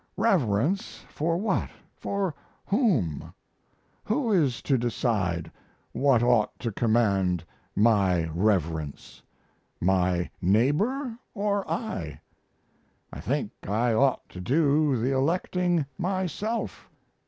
Reverence for what for whom? Who is to decide what ought to command my reverence my neighbor or I? I think I ought to do the electing myself.